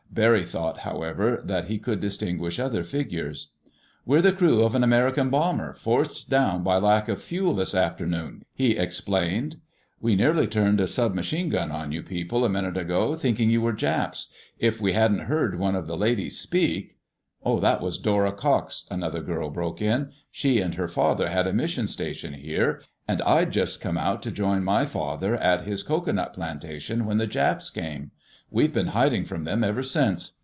Barry thought, however, that he could distinguish other figures. "We're the crew of an American bomber, forced down by lack of fuel this afternoon," he explained. "We nearly turned a sub machine gun on you people a minute ago, thinking you were Japs. If we hadn't heard one of the ladies speak—" "That was Dora Wilcox," another girl broke in. "She and her father had a mission station here; and I'd just come out to join my father at his cocoanut plantation when the Japs came. We've been hiding from them ever since.